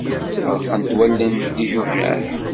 Reqqent wallen d ijujaḥ.